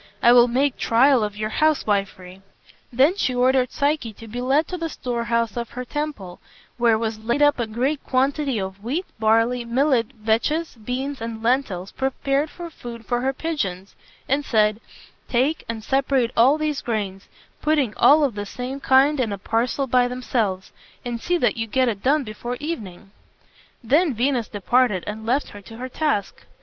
I will make trial of your housewifery." Then she ordered Psyche to be led to the storehouse of her temple, where was laid up a great quantity of wheat, barley, millet, vetches, beans, and lentils prepared for food for her pigeons, and said, "Take and separate all these grains, putting all of the same kind in a parcel by themselves, and see that you get it done before evening." Then Venus departed and left her to her task.